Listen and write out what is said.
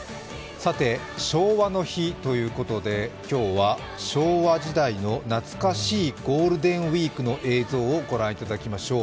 昭和の日ということで今日は昭和時代の懐かしいゴールデンウイークの映像をご覧いただきましょう。